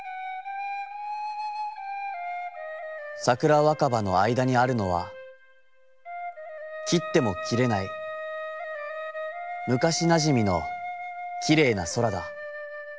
桜若葉の間に在るのは、切つても切れないむかしなじみのきれいな空だ。